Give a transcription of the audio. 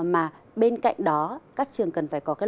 mà bên cạnh đó các trường cần phải cố gắng